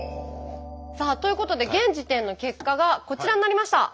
さあということで現時点の結果がこちらになりました！